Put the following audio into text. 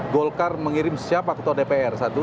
golkar mengirim siapa ketua dpr satu